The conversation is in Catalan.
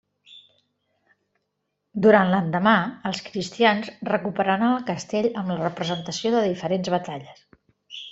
Durant l'endemà, els cristians recuperaran el Castell amb la representació de diferents batalles.